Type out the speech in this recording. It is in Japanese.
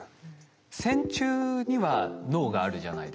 線虫には脳があるじゃないですか。